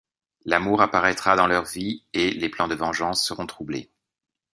L’amour apparaîtra dans leurs vies et les plans de vengeance seront troublés.